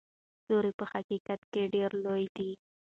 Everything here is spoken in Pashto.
ستوري په حقیقت کې ډېر لوی دي.